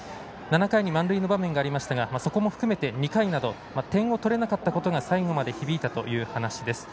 ７回に満塁の場面がありましたがそこも含めて２回など点が取れなかったことが最後まで響いたという話です。